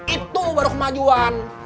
itu baru kemajuan